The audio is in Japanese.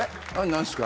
何すか？